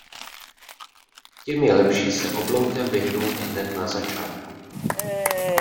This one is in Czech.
Těm je lepší se obloukem vyhnout hned na začátku.